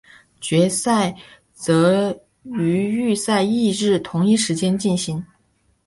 决赛则于预赛翌日同一时间进行。